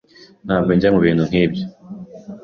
Ntabwo njya mubintu nkibyo.